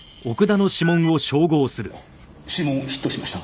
指紋ヒットしました。